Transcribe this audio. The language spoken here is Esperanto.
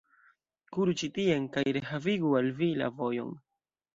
Kuru ĉi tien, kaj rehavigu al vi la vojon!